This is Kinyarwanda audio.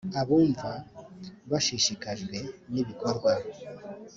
abumva bashishikajwe n ibikorwa